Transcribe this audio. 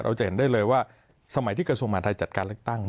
เราจะเห็นได้เลยว่าสมัยที่กระทรวงมหาทัยจัดการเลือกตั้ง